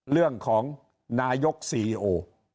เรื่องของนายกซีโอ